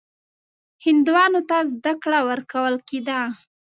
هندوانو ته زده کړه ورکول کېده.